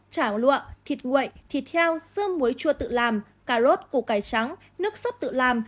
chả lụa thịt nguội thịt heo dưa muối chua tự làm cà rốt củ cải trắng nước sốt tự làm